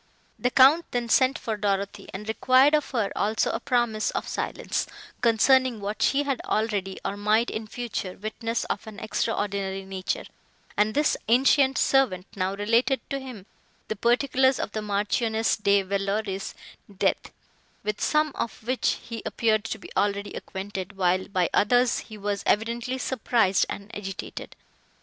The Count then sent for Dorothée, and required of her also a promise of silence, concerning what she had already, or might in future witness of an extraordinary nature; and this ancient servant now related to him the particulars of the Marchioness de Villeroi's death, with some of which he appeared to be already acquainted, while by others he was evidently surprised and agitated.